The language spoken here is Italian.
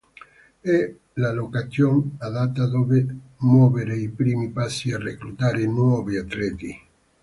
È la location adatta dove muovere i primi passi e reclutare nuovi atleti.